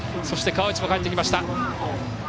そして、川内も帰ってきました。